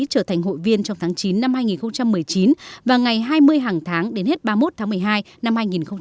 trở thành hội viên trong tháng chín năm hai nghìn một mươi chín và ngày hai mươi hàng tháng đến hết ba mươi một tháng một mươi hai năm hai nghìn hai mươi